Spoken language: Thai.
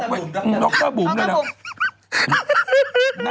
เจ๊ววิ้งถ่ายจะตอบ